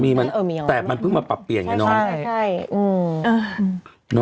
มีมั้นแต่มันเพิ่งมาปรับเปลี่ยนไงน้องใช่ค่ะใช่